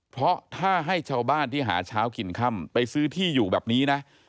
เพราะถ้าให้ชาวบ้านที่หาเช้ากินค่ำไปซื้อที่อยู่แบบนี้นะ